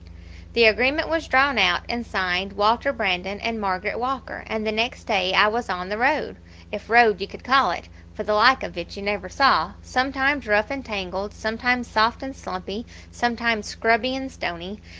"The agreement was drawn out and signed Walter Brandon and Margaret Walker, and the next day I was on the road, if road you could call it, for the like of it you never saw sometimes rough and tangled, sometimes soft and slumpy, sometimes scrubby and stony.